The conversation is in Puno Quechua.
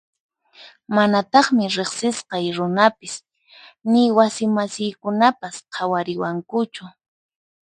Manataqmi riqsisqay runapis ni wasi masiykunapas qhawariwankuchu.